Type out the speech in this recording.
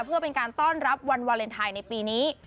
เพื่อเป็นการต้อนรับวันวาเลนไทยในปีนี้